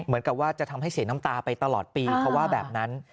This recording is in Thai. เหมือนกับว่าจะทำให้เสียน้ำตาไปตลอดปีเขาว่าแบบนั้น